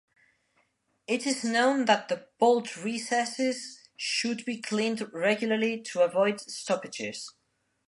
It is known that the bolt recesses should be cleaned regularly to avoid stoppages.